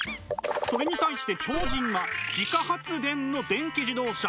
それに対して超人は自家発電の電気自動車。